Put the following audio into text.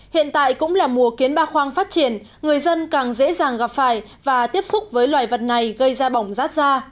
hiện tại cũng là mùa kiến ba khoang phát triển người dân càng dễ dàng gặp phải và tiếp xúc với loài vật này gây ra bỏng rát da